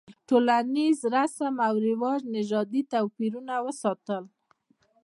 ټولنیز رسم او رواج نژادي توپیرونه وساتل.